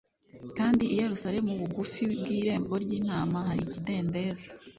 Kandi i Yerusalemu bugufi bw'irembo ry'Intama hari ikidendezi,